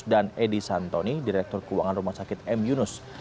dan edi santoni direktur keuangan rumah sakit m yunus